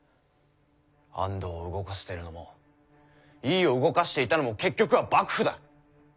安藤を動かしてるのも井伊を動かしていたのも結局は幕府だ。